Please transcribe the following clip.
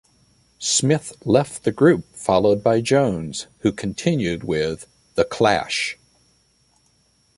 Smyth left the group followed by Jones, who continued with The Clash.